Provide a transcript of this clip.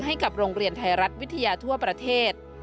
ให้กับโรงเรียนไทยรัฐวิทยาทั่วประเทศ